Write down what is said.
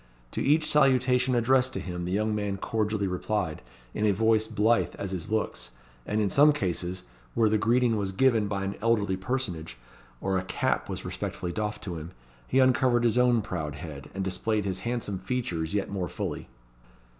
To each salutation addressed to him the young man cordially replied, in a voice blithe as his looks; and in some cases, where the greeting was given by an elderly personage, or a cap was respectfully doffed to him, he uncovered his own proud head, and displayed his handsome features yet more fully.